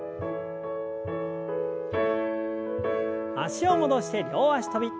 脚を戻して両脚跳び。